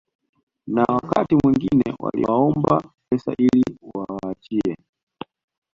na wakati mwingine waliwaomba pesa ili wawaachie